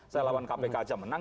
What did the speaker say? saya lawan kpk aja menang